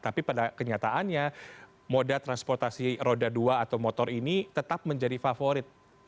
tapi pada kenyataannya moda transportasi roda dua atau motor ini tetap menjadi favorit